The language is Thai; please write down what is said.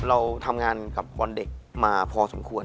เราทำงานกับวันเด็กมาพอสมควร